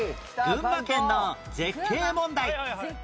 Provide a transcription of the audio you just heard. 群馬県の絶景問題